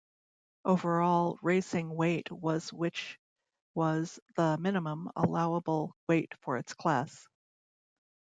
Overall racing weight was which was the minimum allowable weight for its class.